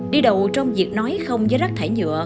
đi đầu trong việc nói không với rác thải nhựa